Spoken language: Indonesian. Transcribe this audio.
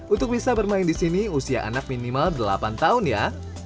untuk bisa bermain di sini usia anak minimal delapan tahun ya